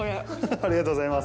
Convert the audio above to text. ありがとうございます。